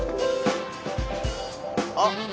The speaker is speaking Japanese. あっ。